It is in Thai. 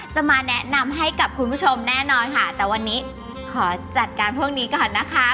จะมาแนะนำให้กับคุณผู้ชมแน่นอนค่ะแต่วันนี้ขอจัดการพวกนี้ก่อนนะคะ